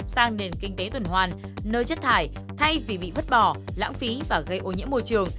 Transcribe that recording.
sang nền kinh tế tuần hoàn nơi chất thải thay vì bị vứt bỏ lãng phí và gây ô nhiễm môi trường